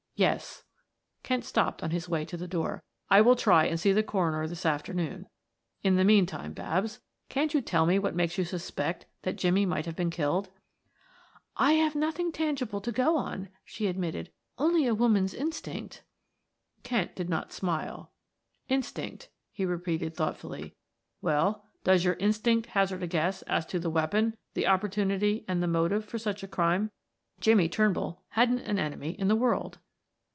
"Yes." Kent stopped on his way to the door. "I will try and see the coroner this afternoon. In the meantime, Babs, can't you tell me what makes you suspect that Jimmie might have been killed?" "I have nothing tangible to go on," she admitted. "Only a woman's instinct " Kent did not smile. "Instinct," he repeated thoughtfully. "Well, does your instinct hazard a guess as to the weapon, the opportunity, and the motive for such a crime? Jimmie Turnbull hadn't an enemy in the world."